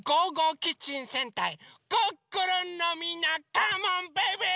キッチン戦隊クックルン」のみんなカモンベイベー！